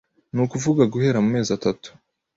ni ukuvuga guhera mu mezi atatu